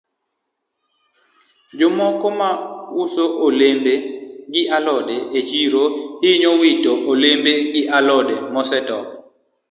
Jomoko ma uso olembe gi alode e chiro hinyo wito olembe gi alode mosetop.